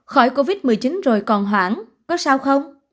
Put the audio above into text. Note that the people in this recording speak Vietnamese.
khỏi covid một mươi chín rồi còn hoảng có sao không